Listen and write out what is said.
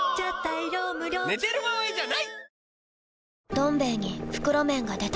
「どん兵衛」に袋麺が出た